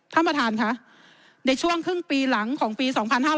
ท่านประธานค่ะในช่วงครึ่งปีหลังของปี๒๕๕๙